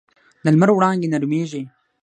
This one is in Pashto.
د لمر وړانګې نرمېږي